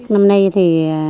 năm nay thì